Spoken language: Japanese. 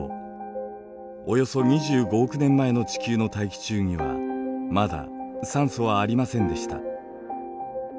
およそ２５億年前の地球の大気中にはまだ酸素はありませんでした。